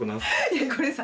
いやこれさ